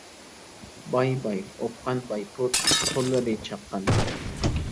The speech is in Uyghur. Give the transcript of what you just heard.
باي-باي، ئوپقان باي پۇت-قوللىرى چاققان باي.